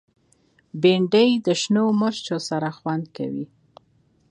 بېنډۍ د شنو مرچو سره خوند کوي